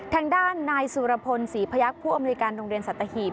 ทางด้านนายสุรพลศรีพยักษ์ผู้อเมริกาโรงเรียนสัตว์ตะหิบ